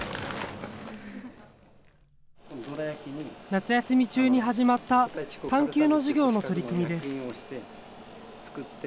夏休み中に始まった探究の授業の取り組みです。